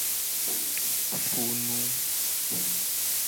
Funu.